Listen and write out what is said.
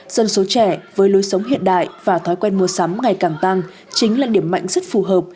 dân số trẻ với lối sống hiện đại và thói quen mua sắm ngày càng tăng chính là điểm mạnh rất phù hợp